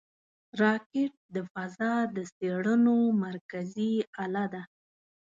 راکټ د فضا د څېړنو مرکزي اله ده